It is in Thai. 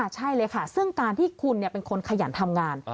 ใช่เลยค่ะซึ่งการที่คุณเป็นคนขยันทำงาน